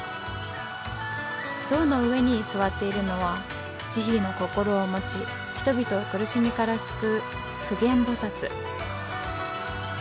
象の上に座っているのは慈悲の心を持ち人々を苦しみから救う普賢菩薩。